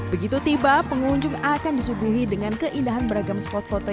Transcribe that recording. begitu tiba pengunjung akan disuguhi dengan keindahan beragam spot foto